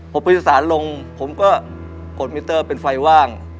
พบพฤษศาสตร์ลงผมก็โกรธมิตเตอร์เป็นไฟว่าง